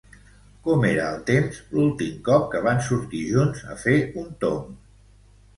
Com era el temps l'últim cop que van sortir junts a fer un tomb?